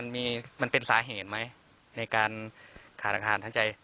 มันเป็นสาเหตุไหมในการขาดอาคารทางใจ